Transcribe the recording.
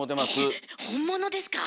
ええっ本物ですか？